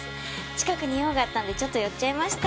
近くに用があったんでちょっと寄っちゃいました。